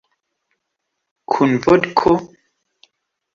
Kun vodko?